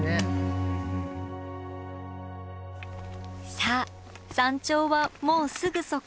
さあ山頂はもうすぐそこ。